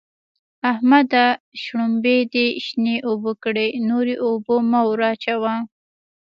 احمده! شلومبې دې شنې اوبه کړې؛ نورې اوبه مه ور اچوه.